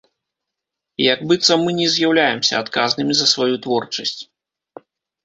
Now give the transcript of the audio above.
Як быццам мы не з'яўляемся адказнымі за сваю творчасць.